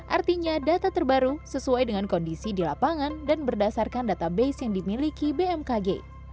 artinya data terbaru sesuai dengan kondisi di lapangan dan berdasarkan database yang dimiliki bmkg